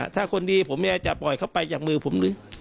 ถ้าคนดีผมแม่จะปล่อยเขาไปจากมือผม